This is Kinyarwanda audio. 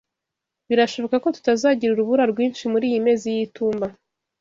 Birashoboka ko tutazagira urubura rwinshi muriyi mezi y'itumba.